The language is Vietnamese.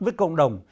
với cộng đồng